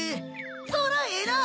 そらええな！